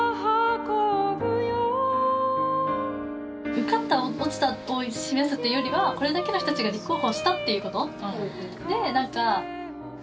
受かった落ちたを示すというよりはこれだけの人たちが立候補したっていうこと。